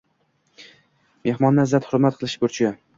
Mehmonni izzat-hurmat qilish burchi.